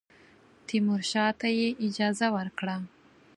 تیمورشاه ته یې اجازه ورکړه.